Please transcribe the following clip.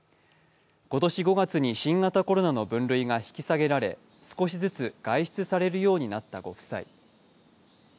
今年５月に新型コロナの分類が引き下げられ少しずつ外出されるようになったご夫妻。